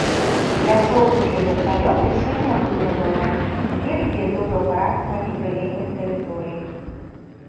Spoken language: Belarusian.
Пляцоўку для верталёта сёння выпрабавалі, цяпер ідзе добраўпарадкаванне прылеглай тэрыторыі.